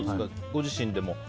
ご自身では。